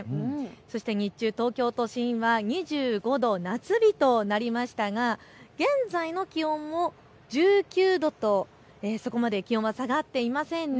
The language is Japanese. そして日中、東京都心は２５度、夏日となりましたが現在の気温も１９度とそこまで気温は下がっていませんね。